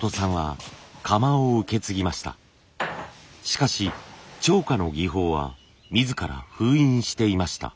しかし貼花の技法は自ら封印していました。